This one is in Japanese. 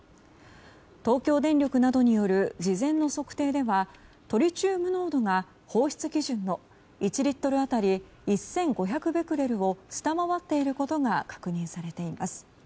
東京電力などによる事前の測定ではトリチウム濃度が放出基準の１リットル当たり１５００ベクレルを下回っていることが確認されています。